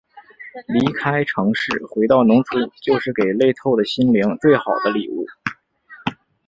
离开城市，回到农村，就是给累透的心灵最好的礼物。